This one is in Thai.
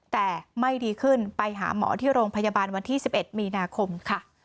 แต่ไม่ดีขึ้นไปหาหมอที่โรงพยาบาลวันที่๑๑มีนาคมค่ะ